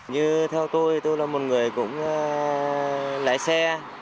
như theo tôi tôi là một người cũng lái xe